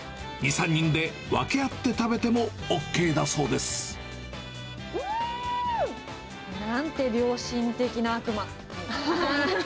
２、３人で分け合って食べてもＯうーん！なんて良心的な悪魔。